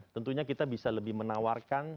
tentunya kita bisa lebih menawarkan